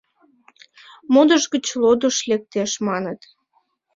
Модыш гыч лодыш лектеш, маныт.